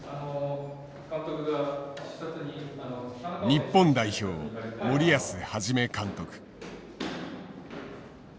日本代表森保一監督。